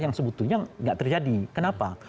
yang sebetulnya tidak terjadi kenapa